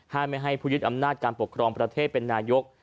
ไม่ให้ผู้ยึดอำนาจการปกครองประเทศเป็นนายก